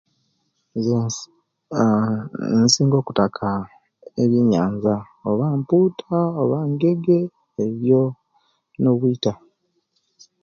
Nze aah insinga okutaka ebinyanza oba mpuuta oba ngege ebyo no'bwita.